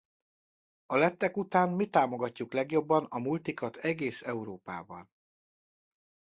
A lettek után mi támogatjuk legjobban a multikat egész Európában.